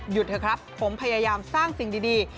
เถอะครับผมพยายามสร้างสิ่งดี